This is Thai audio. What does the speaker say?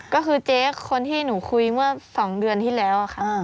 ก็คือเจ๊คนที่หนูคุยเมื่อ๒เดือนที่แล้วค่ะ